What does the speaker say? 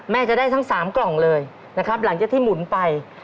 จะได้ทั้ง๓กล่องเลยนะครับหลังจากที่หมุนไป